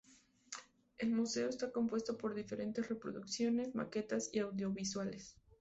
El museo está compuesto por diferentes reproducciones, maquetas y audiovisuales.